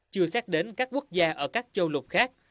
chưa xét đến các quốc gia ở các châu lục khác